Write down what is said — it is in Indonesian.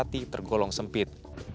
jalan ini terlalu bergolong sempit